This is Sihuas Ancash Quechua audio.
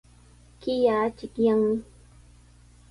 Killa achikyanmi.